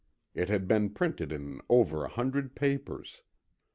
It had been printed in over a hundred papers.